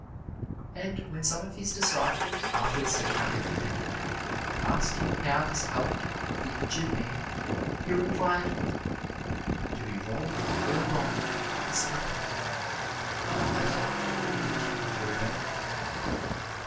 And when some of his disciples, after the Socratic method, asked him how this helped the injured man, he replied, "To be robbed or wronged is nothing unless you continue to remember it."